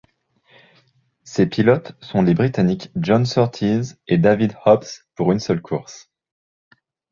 Ses pilotes sont les britanniques John Surtees et David Hobbs pour une seule course.